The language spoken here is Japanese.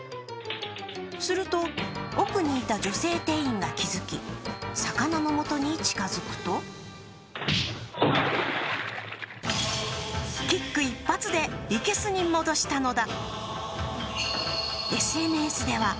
すると、奥にいた女性店員が気づき、魚のもとに近づくとキック一発で生けすに戻したのだ。